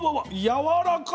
やわらか！